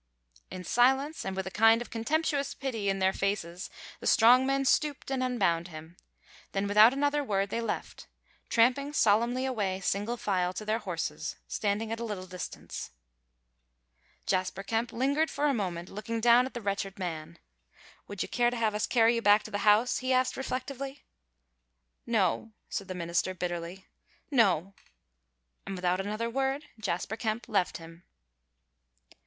In silence and with a kind of contemptuous pity in their faces the strong men stooped and unbound him; then, without another word, they left him, tramping solemnly away single file to their horses, standing at a little distance. Jasper Kemp lingered for a moment, looking down at the wretched man. "Would you care to have us carry you back to the house?" he asked, reflectively. "No!" said the minister, bitterly. "No!" And without another word Jasper Kemp left him.